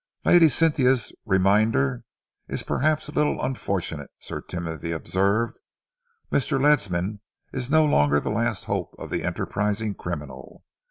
"Lady Cynthia's reminder is perhaps a little unfortunate," Sir Timothy observed. "Mr. Ledsam is no longer the last hope of the enterprising criminal.